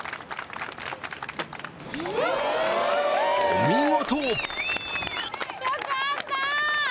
お見事！